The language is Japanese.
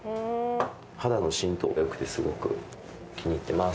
肌の浸透が良くてすごく気に入ってます。